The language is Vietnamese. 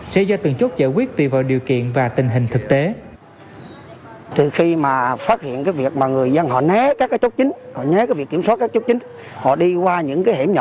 sẽ ra từng chút giải quyết tùy vào điều kiện và tình hình thực tế